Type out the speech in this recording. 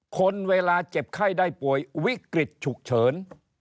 คนเวลาเจ็บไข้ได้ป่วยวิกฤตฉุกเฉิน